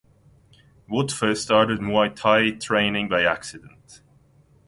Wood first started Muay Thai training by accident.